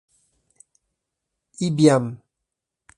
Ibiam